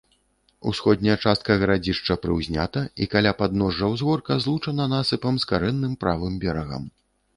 Усходняя частка гарадзішча прыўзнята і каля падножжа ўзгорка злучана насыпам з карэнным правым берагам.